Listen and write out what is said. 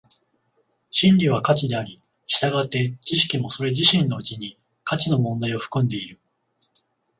真理は価値であり、従って知識もそれ自身のうちに価値の問題を含んでいる。